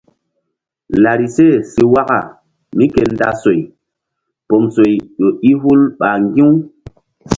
Larise si waka mí ke nda soy pom soy ƴo i hul ɓa ŋgi̧-u.